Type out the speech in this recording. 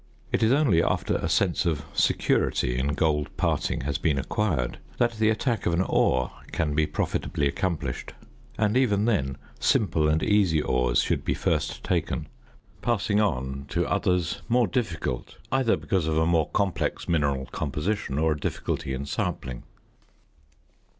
It is only after a sense of security in gold parting has been acquired, that the attack of an ore can be profitably accomplished, and even then simple and easy ores should be first taken, passing on to others more difficult, either because of a more complex mineral composition or a difficulty in sampling.